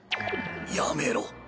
やめろ。